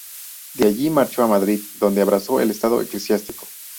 De allí marchó a Madrid, donde abrazó el estado eclesiástico.